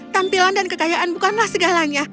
tampilan dan kekayaan bukanlah segalanya